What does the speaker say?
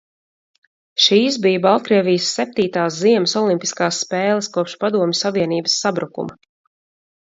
Šīs bija Baltkrievijas septītās ziemas olimpiskās spēles kopš Padomju Savienības sabrukuma.